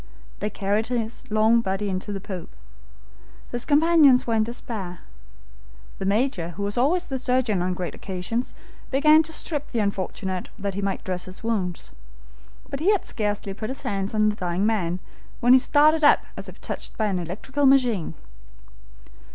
They carried his long body onto the poop. His companions were in despair. The Major, who was always the surgeon on great occasions, began to strip the unfortunate that he might dress his wounds; but he had scarcely put his hands on the dying man when he started up as if touched by an electrical machine.